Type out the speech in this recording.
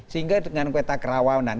sehingga dengan peta kerawanan